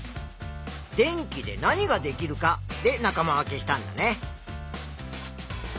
「電気で何ができるか」で仲間分けしたんだね。